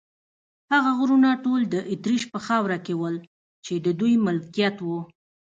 هغه غرونه ټول د اتریش په خاوره کې ول، چې د دوی ملکیت و.